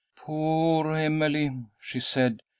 "Poor Emily," she said.